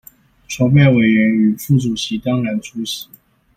籌備委員與副主席當然出席